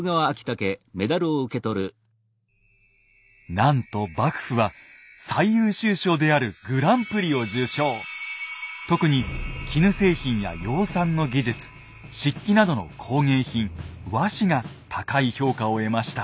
なんと幕府は最優秀賞である特に絹製品や養蚕の技術漆器などの工芸品和紙が高い評価を得ました。